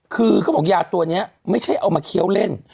คือเขาบอกยาตัวนี้ไม่ใช่เอามาเคี้ยวเล่น